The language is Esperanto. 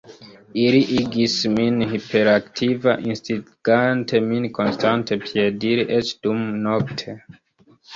Ili igis min hiperaktiva, instigante min konstante piediri, eĉ dumnokte.